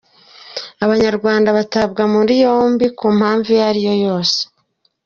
Abanyarwanda batabwa muri yombi ku mpamvu iyo ariyo yose